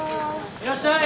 いらっしゃい！